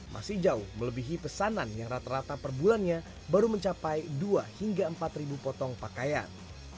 masih jauh melebihi pesanan yang rata rata per bulannya baru mencapai dua hingga empat ribu potong pakaian